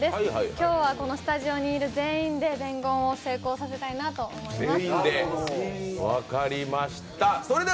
今日はこのスタジオにいる全員で伝言ゲームを成功させたいと思います。